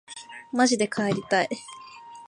まじで帰りたい